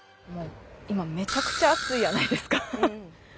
今めちゃくちゃ暑いやないですか。